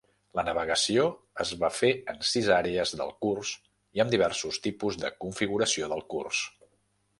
La navegació es va fer en sis àrees del curs i amb diversos tipus de configuracions del curs.